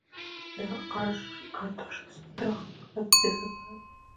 د ارتاشاسترا کتاب د سیاست په اړه دی.